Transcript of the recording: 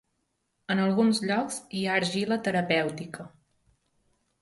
En alguns llocs hi ha argila terapèutica.